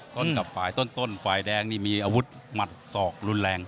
ต้นกับฝ่ายต้นฝ่ายแดงนี่มีอาวุธหมัดศอกรุนแรง